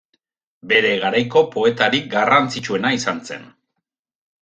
Bere garaiko poetarik garrantzitsuena izan zen.